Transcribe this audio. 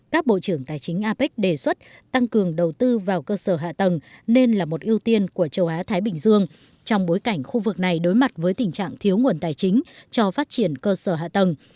các bộ trưởng tài chính apec đề xuất tăng cường đầu tư vào cơ sở hạ tầng nên là một ưu tiên của châu á thái bình dương trong bối cảnh khu vực này đối mặt với tình trạng thiếu nguồn tài chính cho phát triển cơ sở hạ tầng